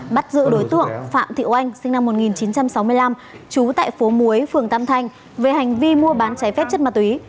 bắt giữ đối tượng phạm thị oanh sinh năm một nghìn chín trăm sáu mươi năm trú tại phố muối phường tam thanh về hành vi mua bán trái phép chất ma túy